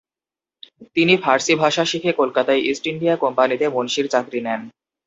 তিনি ফার্সি ভাষা শিখে কলকাতায় ইস্ট ইন্ডিয়া কোম্পানিতে মুনশির চাকরি নেন।